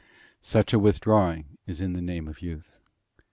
Such a withdrawing is in the name of youth.